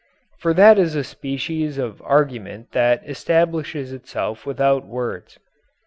For that is a species of argument that establishes itself without words.